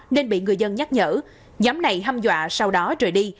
nên bị người dân nhắc nhở nhóm này hâm dọa sau đó trời đi